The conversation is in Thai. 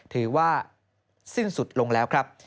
ถือว่าสิ้นสุดลงแล้วครับ